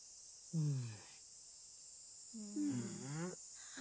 うん？